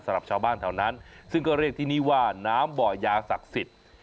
สำหรับชาวบ้านแถวนั้นซึ่งก็เรียกที่นี่ว่าน้ำบ่อยาศักดิ์สิทธิ์